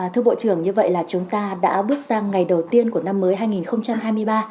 thưa bộ trưởng như vậy là chúng ta đã bước sang ngày đầu tiên của năm mới hai nghìn hai mươi ba